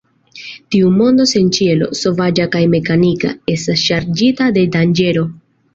Tiu mondo sen ĉielo, sovaĝa kaj mekanika, estas ŝarĝita de danĝero.